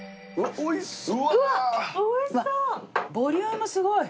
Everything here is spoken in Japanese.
おいしそう。